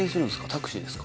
タクシーですか？